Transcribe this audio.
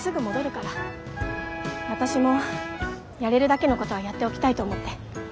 私もやれるだけのことはやっておきたいと思って。